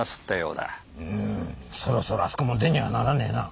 うんそろそろあそこも出にゃあならねえな。